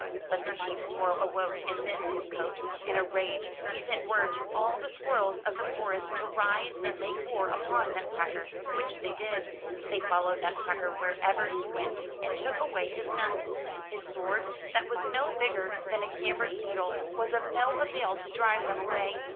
But the chief squirrel awoke and missed his coat. In a rage he sent word to all the squirrels of the forest to rise and make war upon Nutcracker, which they did. They followed Nutcracker wherever he went, and took away his nuts. His sword, that was no bigger than a cambric needle, was of no avail to drive them away.